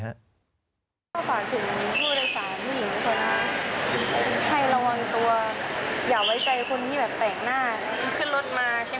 อันนั้นก็เลยคิดว่าเขาอาจจะไม่สบายอะไรอย่างนี้ใช่ไหม